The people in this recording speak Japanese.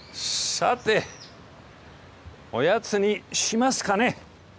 さておやつにしますかね。